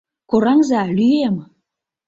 Кораҥза, лӱем!